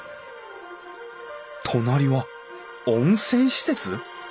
隣は温泉施設？